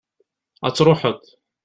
ad truḥeḍ